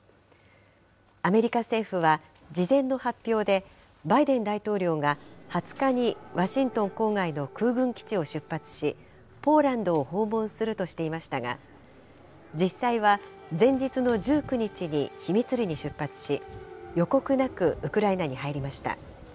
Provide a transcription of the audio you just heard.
アメリカ政府は、事前の発表で、バイデン大統領が２０日にワシントン郊外の空軍基地を出発し、ポーランドを訪問するとしていましたが、実際は前日の１９日に秘密裏に出発し、予告なくウクライナに入りました。